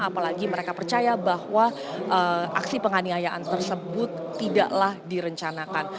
apalagi mereka percaya bahwa aksi penganiayaan tersebut tidaklah direncanakan